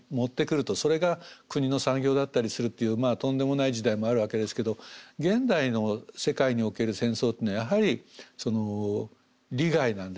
それが国の産業だったりするっていうとんでもない時代もあるわけですけど現代の世界における戦争っていうのはやはり利害なんですね。